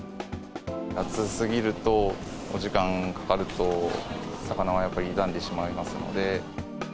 暑すぎると、お時間かかると魚はやっぱり傷んでしまいますので。